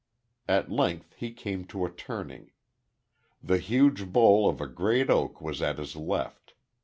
At length he came to a turning. The huge bole of a great oak was at his left.